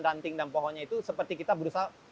ranting dan pohonnya itu seperti kita berusaha